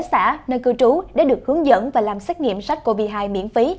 xã nơi cử trú để được hướng dẫn và làm xét nghiệm sách covid một mươi chín miễn phí